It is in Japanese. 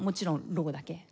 ローだけ。